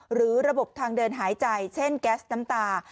หรือระบบทางเดินหายใจเช่นแก๊สน้ำตา